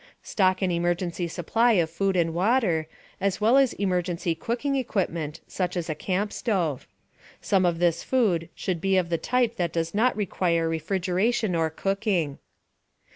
Stock an emergency supply of food and water, as well as emergency cooking equipment such as a camp stove. Some of this food should be of the type that does not require refrigeration or cooking.